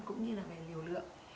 cũng như là về liều lượng